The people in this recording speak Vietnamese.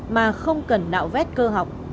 mà không cần đạo vét cơ học